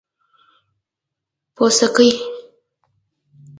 🍄🟫 پوڅکي